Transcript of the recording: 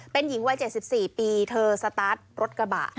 เป็นหญิงวัย๗๔ปีเธอสตาร์ทรถกระบะ